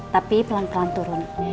tapi pelan pelan turun